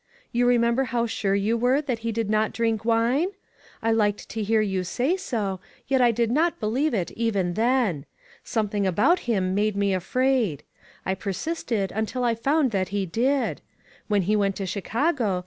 You remember how sure you were that he did not drink wine? I liked to hear you say so, yet I did not believe it even then. Something about him made me afraid. I persisted until I found that he did. When he went to Chicago, 4/O ONE COMMONPLACE DAY.